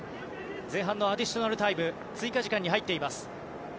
前半アディショナルタイム追加時間に入っています。